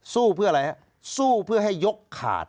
สู้เพื่ออะไรฮะสู้เพื่อให้ยกขาด